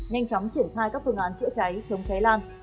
nhanh chóng triển khai các phương án chữa cháy chống cháy lan